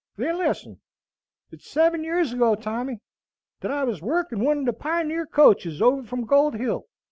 "Then listen. It's seven years ago, Tommy, thet I was working one o' the Pioneer coaches over from Gold Hill.